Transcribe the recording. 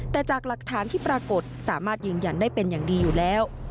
แต่จากหลักฐานที่ปรากฏสามารถยืนยันได้เป็นอย่างดีอยู่แล้ว